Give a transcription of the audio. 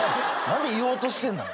何で言おうとしてんだ。